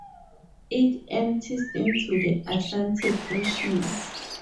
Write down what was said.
It empties into the Atlantic Ocean.